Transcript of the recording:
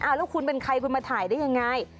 แล้วคุณเป็นใครคุณมาถ่ายได้ยังไง